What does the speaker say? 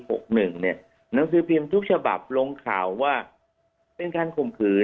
หนังสือพิมพ์ทุกฉบับลงข่าวว่าเป็นการข่มขืน